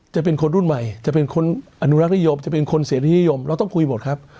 จะเป็นคนรุ่นใหม่จะเป็นคนอนุรักษ์นิยมจะเป็นคนเสียที่นิยมเราต้องคุยหมดครับ